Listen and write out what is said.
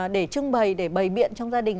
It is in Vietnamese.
để trưng bày để bày biện trong gia đình